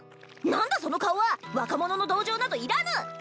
何だその顔は若者の同情などいらぬ！